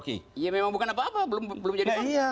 iya memang bukan apa apa belum jadi korban